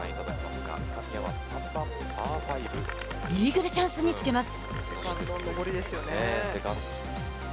イーグルチャンスにつけます。